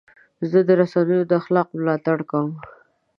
زه د رسنیو د اخلاقو ملاتړ کوم.